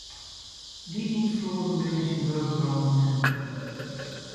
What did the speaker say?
Dy ynfloeden binne yn syn wurk werom te kennen.